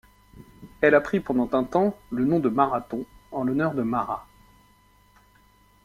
Elle a pris pendant un temps le nom de Marathon en honneur de Marat.